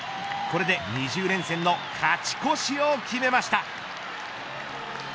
これで２０連戦の勝ち越しを決めました。